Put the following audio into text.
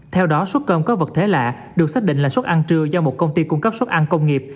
theo đó xuất cơm có vật thể lạ được xác định là xuất ăn trưa do một công ty cung cấp xuất ăn công nghiệp